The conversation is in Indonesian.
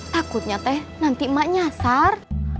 takutnya teh nanti emak nyasar